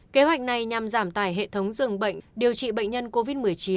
kế hoạch này nhằm giảm tài hệ thống dường bệnh điều trị bệnh nhân covid một mươi chín